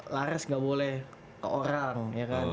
lares nggak boleh ke orang ya kan